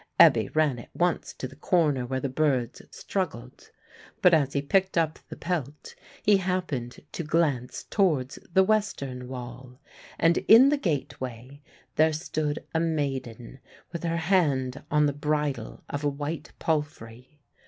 Ebbe ran at once to the corner where the birds struggled; but as he picked up the pelt he happened to glance towards the western wall, and in the gateway there stood a maiden with her hand on the bridle of a white palfrey.